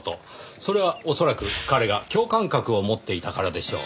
それは恐らく彼が共感覚を持っていたからでしょう。